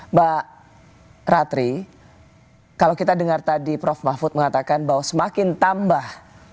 mbak ratri kalau kita dengar tadi prof mahfud mengatakan bahwa semakin tambah